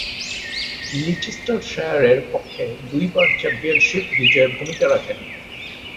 লিচেস্টারশায়ারের পক্ষে দুইবার চ্যাম্পিয়নশীপ বিজয়ে ভূমিকা রাখেন।